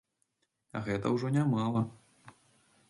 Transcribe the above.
А гэта ўжо нямала.